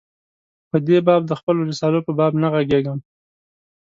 په دې باب د خپلو رسالو په باب نه ږغېږم.